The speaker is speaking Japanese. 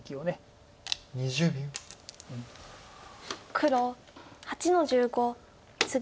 黒８の十五ツギ。